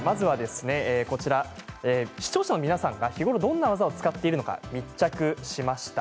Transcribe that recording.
視聴者の皆さんが日頃どんな技を使っているのか密着しました。